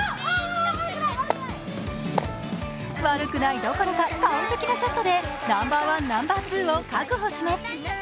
悪くないどころか完璧なショットで、ナンバーワン、ナンバーツーを確保します。